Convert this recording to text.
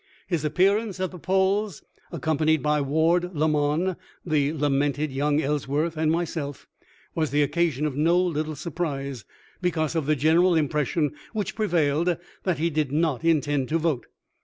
His appearance at the polls, accompanied by Ward Lamon, the lamented young Ellsworth, and myself, was the occasion of no little surprise because of the general impression which prevailed that he did not intend to vote.